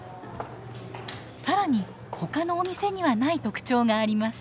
更にほかのお店にはない特徴があります。